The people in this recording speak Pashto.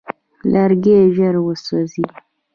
لرګی ژر وسوځي.